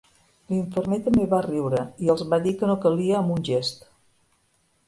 L'infermer també va riure i els va dir que no calia amb un gest.